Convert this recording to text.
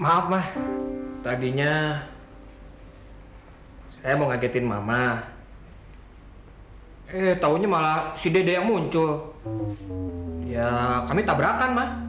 maaf mah tadinya saya mau ngagetin mama eh taunya malah si dede yang muncul ya kami tabrakan mah